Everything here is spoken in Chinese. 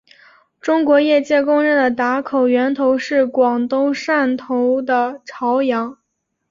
中国业界公认的打口源头是广东汕头的潮阳。